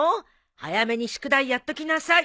早めに宿題やっときなさい。